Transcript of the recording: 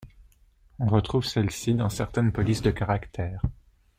On retrouve celles-ci dans certaines polices de caractères.